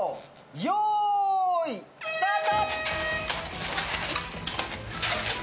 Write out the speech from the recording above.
よーいスタート。